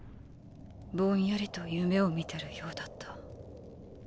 ぼんやりと夢を見てるようだった。